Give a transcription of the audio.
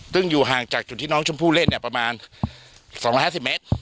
ซึ่งอยู่ห่างจากจุดที่น้องชมพู่เล่นเนี่ยประมาณ๒๕๐เมตร